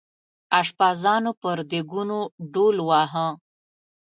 اشپزانو پر دیګونو ډول واهه.